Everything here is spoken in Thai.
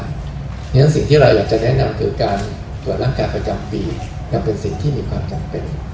เพราะฉะนั้นสิ่งที่เราอยากจะแนะนำคือการตรวจร่างกายประจำปีและเป็นสิ่งที่มีความจำเป็น